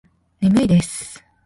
眠いです